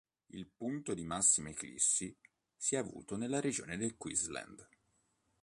Il punto di massima eclissi si è avuto nella regione del Queensland.